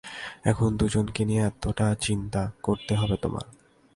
এখন দুইজনকে নিয়ে এটা চিন্তা করতে হবে তোমার।